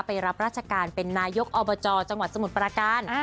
ไปรับราชการเป็นนายกอบจจังหวัดสมุทรประการ